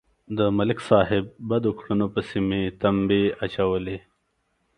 د ملک صاحب بدو کړنو پسې مې تمبې اچولې.